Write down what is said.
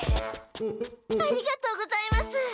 ありがとうございます。